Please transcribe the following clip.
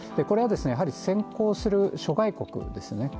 これはですねやはり先行する諸外国ですね。